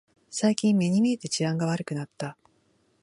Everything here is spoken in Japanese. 最近目に見えて治安が悪くなった